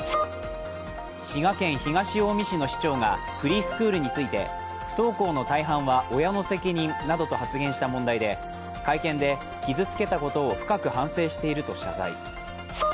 滋賀県東近江市の市長がフリースクールについて不登校の大半は親の責任などと発言した問題で会見で、傷つけたことを深く反省していると謝罪。